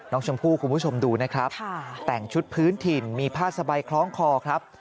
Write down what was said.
คุณผู้ชมดูนะครับแต่งชุดพื้นถิ่นมีผ้าสบายคล้องคอครับ